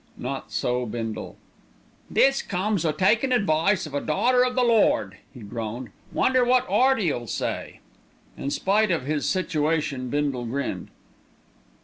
Not so Bindle. "This comes o' takin' advice of a 'daughter o' the Lord,'" he groaned. "Wonder wot 'Earty'll say?" In spite of his situation Bindle grinned.